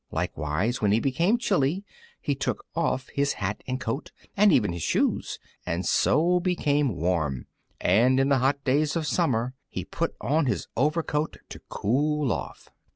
Likewise, when he became chilly he took off his hat and coat, and even his shoes, and so became warm; and in the hot days of summer he put on his overcoat to cool off.